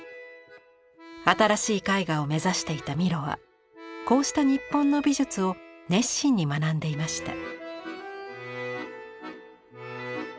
新しい絵画を目指していたミロはこうした日本の美術を熱心に学んでいました。